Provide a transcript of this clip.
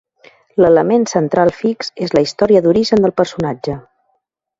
L'element central fix és la història d'origen del personatge.